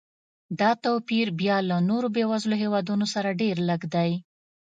دا توپیر بیا له نورو بېوزلو هېوادونو سره ډېر لږ دی.